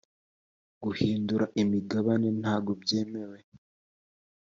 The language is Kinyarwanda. guhindura imigabane ntago byemewe